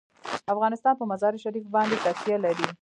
افغانستان په مزارشریف باندې تکیه لري.